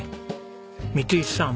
三石さん